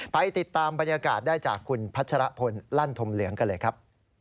ไปติดตามบรรยากาศได้จากคุณพัชรพลลั่นธมเหลืองกันเลยครับ